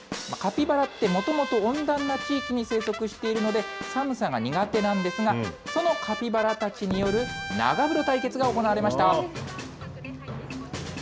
カピバラって、もともと温暖な地域に生息しているので、寒さが苦手なんですが、そのカピバラたちによる長風呂対決が行われました。